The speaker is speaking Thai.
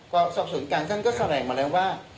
กรอบสอบส่วนกลางก็แขลงมาแล้วว่า